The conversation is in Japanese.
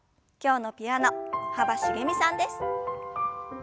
今日のピアノ幅しげみさんです。